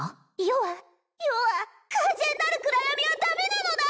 余は余は完全なる暗闇はダメなのだ！